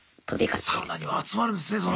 サウナには集まるんですねその。